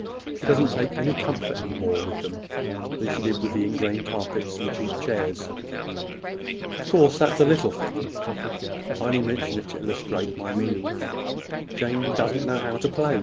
She doesn't take any more comfort with them than she did with the ingrain carpets and cheap chairs. Of course, that's a little thing. I only mentioned it to illustrate my meaning. Jane doesn't know how to play.